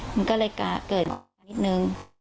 มันก็เลยเกิดมานิดนึง